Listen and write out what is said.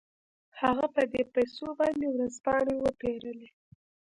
هغه په دې پيسو باندې ورځپاڼې وپېرلې.